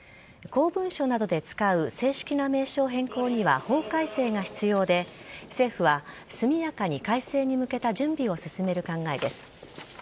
公文書などで使う正式な名称変更には法改正が必要で政府は速やかに改正に向けた準備を進める考えです。